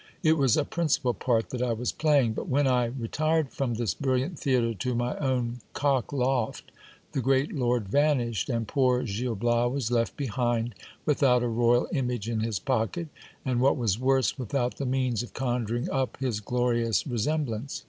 It was a principal part that I was playing. But when I retired from this brilliant theatre to my own cockloft, the great lord vanished, and poor Gil Bias was left behind, without a royal image in his pocket, and what i was worse, without the means of conjuring up his glorious resemblance.